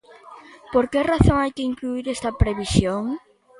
¿Por que razón hai que incluír esta previsión?